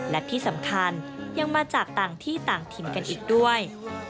และที่สำคัญยังมาจากต่างที่ต่างถิ่นกันอีกด้วย